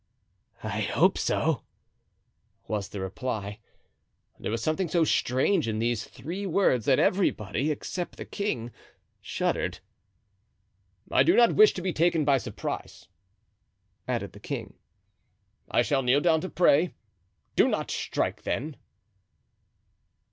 "I hope so," was the reply. There was something so strange in these three words that everybody, except the king, shuddered. "I do not wish to be taken by surprise," added the king. "I shall kneel down to pray; do not strike then."